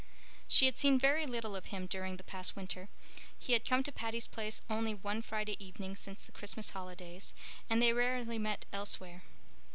She had seen very little of him during the past winter. He had come to Patty's Place only one Friday evening since the Christmas holidays, and they rarely met elsewhere.